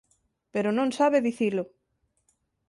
Pero non sabe dicilo.